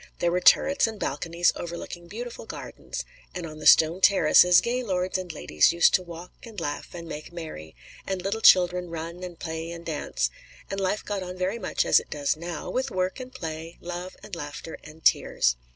There were turrets and balconies overlooking beautiful gardens; and on the stone terraces gay lords and ladies used to walk and laugh and make merry, and little children run and play and dance, and life go on very much as it does now, with work and play, love and laughter and tears.